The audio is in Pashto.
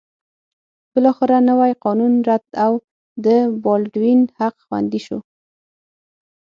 بالاخره نوی قانون رد او د بالډوین حق خوندي شو.